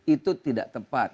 itu tidak tepat